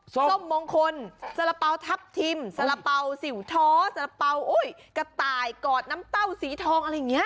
ส้มมงคลสละเป๋าทับทิมสาระเป๋าสิวท้อสาระเป๋ากระต่ายกอดน้ำเต้าสีทองอะไรอย่างนี้